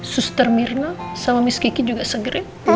suster mirna sama miss kiki juga seger ya